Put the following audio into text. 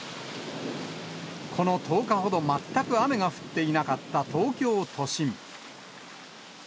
この１０日ほど、全く雨が降っていなかった東京都心。